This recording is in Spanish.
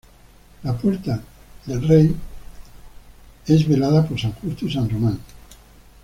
La puerta de Puerta del Rey es velada por San Justo y San Román.